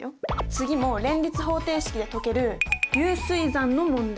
次も連立方程式で解ける流水算の問題！